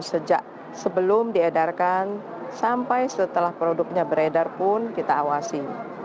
sejak sebelum diedarkan sampai setelah produknya beredar pun kita awasi